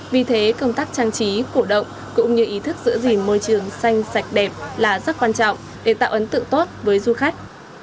vì thế công tác trang trí cổ động cũng như ý thức giữ gìn môi trường xanh sạch đẹp là rất quan trọng để tạo ấn tượng tốt với du khách